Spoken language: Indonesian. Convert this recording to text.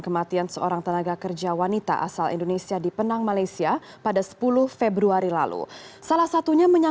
ketiga kematian adelina